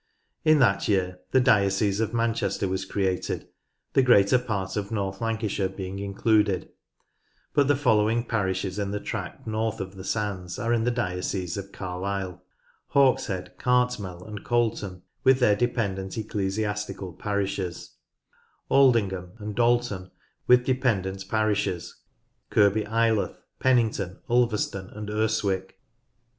In that year the diocese of Manchester was created, the greater part of North Lancashire being included, but the following parishes in the tract north of the Sands are in the diocese of Carlisle :— Hawkshead, Cartmel, and Colton with their dependent ecclesiastical parishes; Aldingham and Dalton with dependent parishes, Kirkby Ireleth, Pennington, Ulverston, and Urswick.